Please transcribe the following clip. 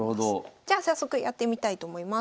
じゃあ早速やってみたいと思います。